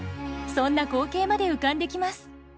そんな光景まで浮かんできます。